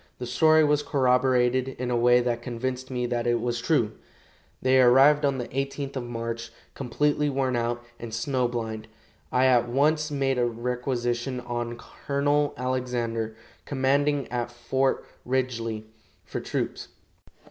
The story was corroborated in a way that convinced me that it was true. They arrived on the 18th of March, completely worn out and snow blind. I at once made a requisition on Colonel Alexander, commanding at Fort Ridgely, for troops.